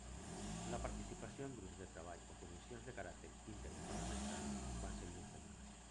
La participació en grups de treball o comissions de caràcter interdepartamental quan se li encomana.